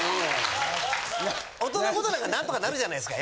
音の事なんかなんとかなるじゃないですか。